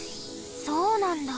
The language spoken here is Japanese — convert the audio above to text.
そうなんだ。